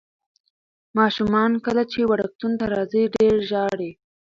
ماشومان کله چې وړکتون ته راځي ډېر ژاړي.